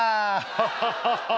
ハハハハ！